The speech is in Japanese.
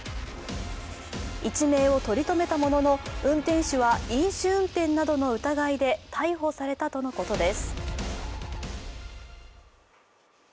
一命を取り留めたものの運転手は飲酒運転などの疑いで逮捕されたとのことです。